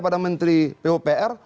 pada menteri pupr